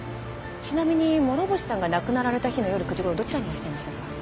ちなみに諸星さんが亡くなられた日の夜９時頃どちらにいらっしゃいましたか？